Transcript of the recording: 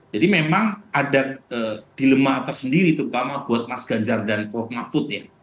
jadi memang ada dilema tersendiri terutama buat mas ganjar dan prof mahfud ya